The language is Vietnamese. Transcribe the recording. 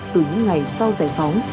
từ những ngày sau giải phóng